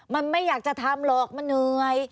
มันไม่อยากจะทำหรอกมันเหนื่อย